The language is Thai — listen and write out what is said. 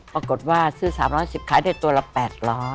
ปรากฏว่าซื้อ๓๑๐ขายได้ตัวละ๘๐๐